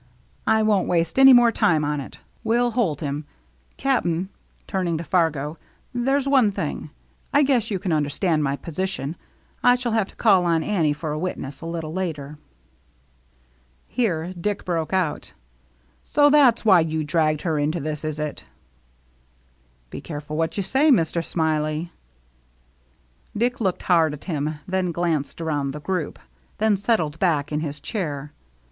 I won't waste any more time on it. We'll hold him. Cap'n," turn ing to Fargo, "there's one thing — I guess you can understand my position — I shall have to call on Annie for a witness, a little later." Here Dick broke out. " So that's why you dragged her into this, is it ?"" Be careful what you say, Mr. Smiley." Dick looked hard at him, then glanced around the group, then settled back in his chair.